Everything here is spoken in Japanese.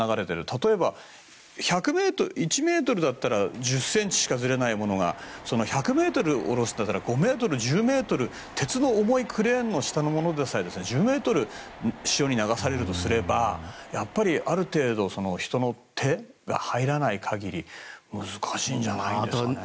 例えば１ｍだったら１０ｃｍしかずれないものが１００ｍ下ろしたら５ｍ、１０ｍ鉄の重いクレーンの下のものでさえ１０ｍ、潮に流されるとすればやっぱりある程度人の手が入らない限り難しいんじゃないですかね。